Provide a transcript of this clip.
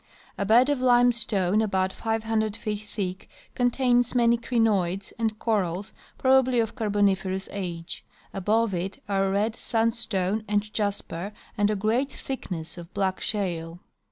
A bed of limestone about 500 feet thick contains many crinoids and corals, probably of Carboniferous age. Above it are red sandstone and jasper and a'great thickness of black shale.